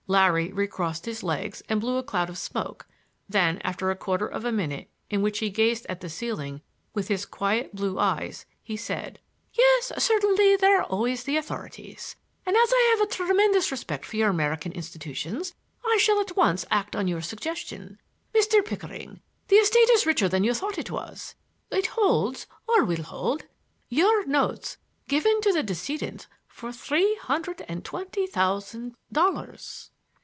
Larry recrossed his legs and blew a cloud of smoke. Then, after a quarter of a minute in which he gazed at the ceiling with his quiet blue eyes, he said: "Yes; certainly, there are always the authorities. And as I have a tremendous respect for your American institutions I shall at once act on your suggestion. Mr. Pickering, the estate is richer than you thought it was. It holds, or will hold, your notes given to the decedent for three hundred and twenty thousand dollars."